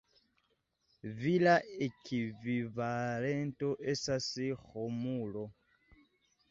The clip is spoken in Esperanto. Vira ekvivalento estas Romulo.